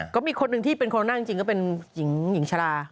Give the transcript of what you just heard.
ก็มีคนหนึ่งที่เป็นคนนั่งจริงก็เป็นหญิงชะลา